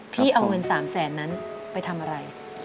พี่เอาเงิน๓แสนนั้นไปทำอะไร